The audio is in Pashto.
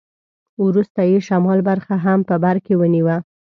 وروسته یې شمال برخه هم په برکې ونیوه.